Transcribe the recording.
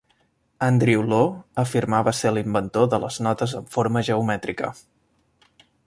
Andrew Law afirmava ser l'inventor de les notes amb forma geomètrica.